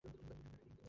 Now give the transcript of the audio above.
একদম ঠিক ধরেছি।